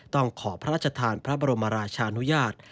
ขอพระราชทานพระบรมราชานุญาต